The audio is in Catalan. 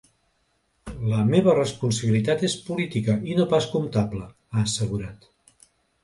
La meva responsabilitat és política i no pas comptable, ha assegurat.